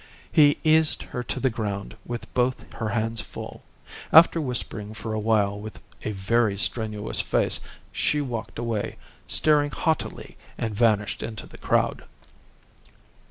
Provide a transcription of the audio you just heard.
He eased her to the ground with both her hands full. After whispering for a while with a very strenuous face, she walked away, staring haughtily, and vanished into the crowd.